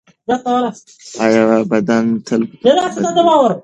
ایا بدن تل بد بوی کوي؟